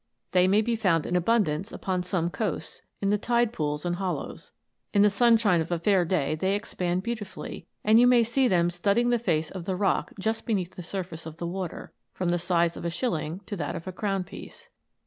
They may be found in abundance upon some coasts, in the tide pools and hollows. In the sunshine of a fair day they expand beautifully, and you may see them studding the face of the rock just beneath the surface of the water, from the size of a shilling to that of a crown piece.